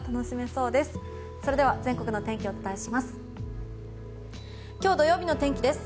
それでは全国の天気をお伝えします。